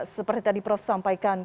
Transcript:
seperti tadi prof sampaikan